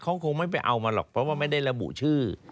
เขาคงไม่ไปเอามาหรอกเพราะว่าไม่ได้ระบุชื่อ